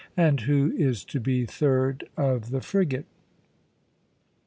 And who is to be third of the frigate?"